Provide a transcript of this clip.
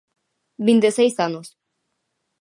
Vinte e seis anos.